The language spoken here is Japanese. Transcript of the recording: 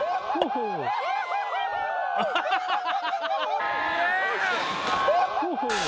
アハハハハ！